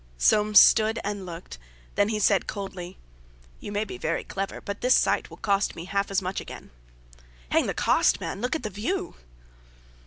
Soames stood and looked, then he said, coldly: "You may be very clever, but this site will cost me half as much again." "Hang the cost, man. Look at the view!"